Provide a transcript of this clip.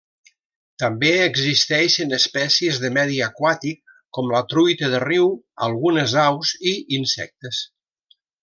També existeixen espècies de medi aquàtic com la truita de riu, algunes aus i insectes.